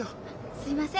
すいません。